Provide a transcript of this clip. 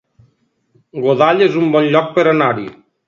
Godall es un bon lloc per anar-hi